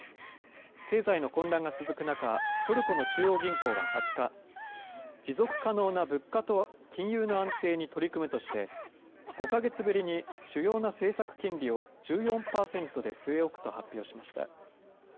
経済の混乱が続く中、トルコの中央銀行は２０日、持続可能な物価と金融の安定に取り組むとして５か月ぶりに主要な政策金利を１４％で据え置くと発表しました。